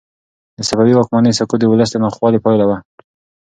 د صفوي واکمنۍ سقوط د ولس د ناخوالو پایله وه.